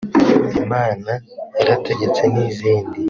Imana yarategetse n’izindi